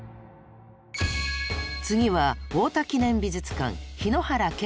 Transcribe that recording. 次は太田記念美術館日野原健司さん。